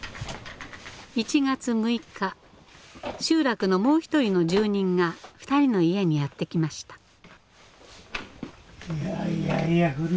集落のもう１人の住人が２人の家にやって来ました。